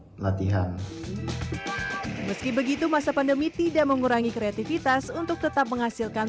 pelatihan meski begitu masa pandemi tidak mengurangi kreativitas untuk tetap menghasilkan